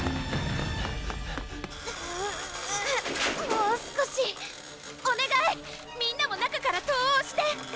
もう少しおねがいみんなも中から戸をおして！